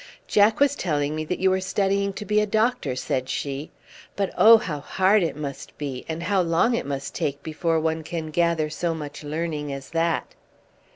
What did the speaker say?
"Jack was telling me that you were studying to be a doctor," said she. "But oh, how hard it must be, and how long it must take before one can gather so much learning as that!"